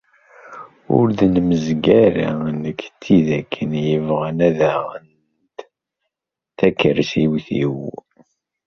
Ur d-nemzeg ara nekk d tid akken yebɣan ad aɣent takerrust-iw.